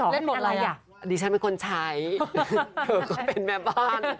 เล่นบทอะไรอ่ะดิฉันเป็นคนใช้เธอก็เป็นแม่บ้าน